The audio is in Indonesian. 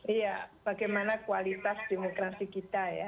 iya bagaimana kualitas demokrasi kita ya